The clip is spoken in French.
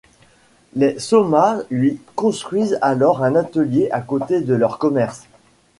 Les Sōma lui construisent alors un atelier à côté de leur commerce.